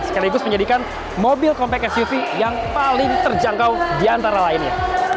sekaligus menjadikan mobil compact suv yang paling terjangkau di antara lainnya